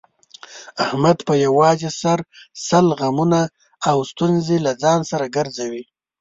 احمد په یووازې سر سل غمونه او ستونزې له ځان سره ګرځوي.